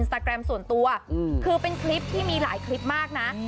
ส่วนตัวอืมคือเป็นคลิปที่มีหลายคลิปมากน่ะอืม